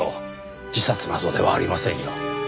自殺などではありませんよ。